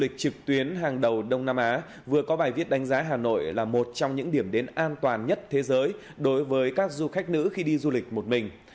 du lịch trực tuyến hàng đầu đông nam á vừa có bài viết đánh giá hà nội là một trong những điểm đến an toàn nhất thế giới đối với các du khách nữ khi đi du lịch một mình